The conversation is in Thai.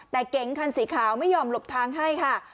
แต่เก๋งคันสีขาวไม่ยอมหลบทางให้ค่ะ